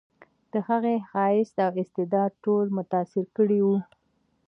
د هغې ښایست او استعداد ټول متاثر کړي وو